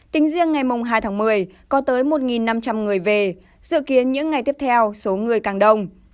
tính riêng ngày hai tháng một mươi có tới một năm trăm linh người về dự kiến những ngày tiếp theo số người càng đông